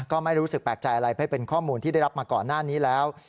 ก็ไม่รู้สึกแปลกใจอะไรเพราะเป็นข้อมูลที่ได้รับมาก่อนหน้านี้แล้ว